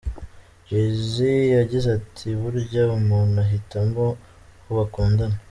Jay-Z yagize ati: “Burya umuntu ahitamo uwo bakundana.